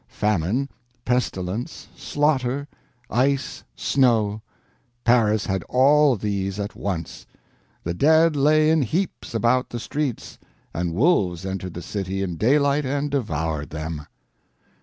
Famine, pestilence, slaughter, ice, snow—Paris had all these at once. The dead lay in heaps about the streets, and wolves entered the city in daylight and devoured them.